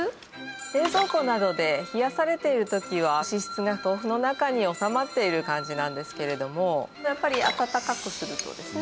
冷蔵庫などで冷やされている時は脂質が豆腐の中に収まっている感じなんですけれどもやっぱり温かくするとですね